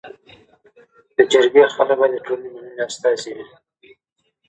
منګل د پښتنو یو لوی او غیرتي قوم دی.